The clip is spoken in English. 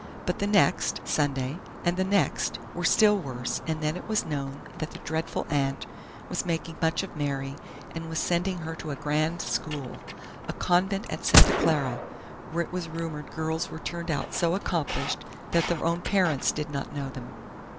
But the next, Sunday, and the next, were still worse, and then it was known that the dreadful aunt was making much of Mary, and was sending her to a grand school a convent at Santa Clara where it was rumored girls were turned out so accomplished that their own parents did not know them.